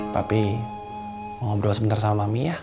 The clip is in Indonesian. tapi mau ngobrol sebentar sama mami ya